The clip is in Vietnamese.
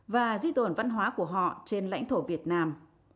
và di tồn văn hóa của họ trên lãnh thổ việt nam